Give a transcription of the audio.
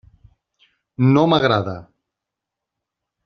No m'agrada.